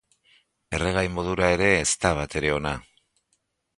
Erregai modura ere ez da batere ona.